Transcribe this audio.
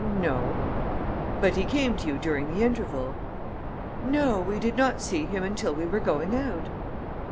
"No." "But he came to you during the interval?" "No, we did not see him until we were going out."